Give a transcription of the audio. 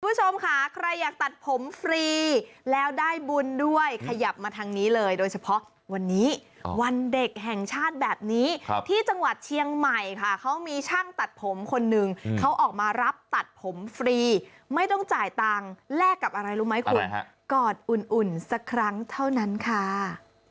คุณผู้ชมค่ะใครอยากตัดผมฟรีแล้วได้บุญด้วยขยับมาทางนี้เลยโดยเฉพาะวันนี้วันเด็กแห่งชาติแบบนี้ที่จังหวัดเชียงใหม่ค่ะเขามีช่างตัดผมคนนึงเขาออกมารับตัดผมฟรีไม่ต้องจ่ายตังค์แลกกับอะไรรู้ไหมคุณฮะกอดอุ่นสักครั้งเท่านั้นค่ะ